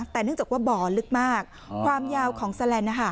แต่เนื่องจากว่าบ่อลึกมากความยาวของแสลนด์